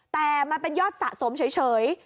แต่มันเป็นยอดสะสมเฉย